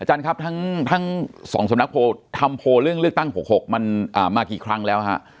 ครับทั้ง๒สำนักโพลทำโพลเรื่องเลือกตั้ง๖๖มันมากี่ครั้งแล้วฮะ